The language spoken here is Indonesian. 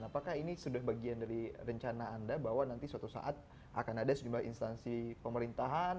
apakah ini sudah bagian dari rencana anda bahwa nanti suatu saat akan ada sejumlah instansi pemerintahan